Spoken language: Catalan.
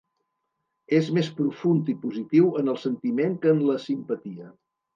És més profund i positiu en el sentiment que en la simpatia.